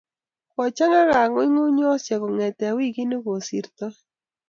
Kochang'a kang'ungng'unyosyek kong'te wikit ne kisirtoi.